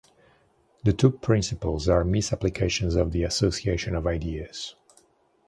The two principles are misapplications of the association of ideas.